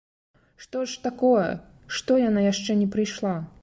Што ж такое, што яна яшчэ не прыйшла?